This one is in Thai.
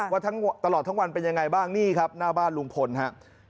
ว่าตลอดทั้งวันเป็นยังไงบ้างนี่ครับหน้าบ้านลุงพลครับ